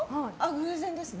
偶然ですね。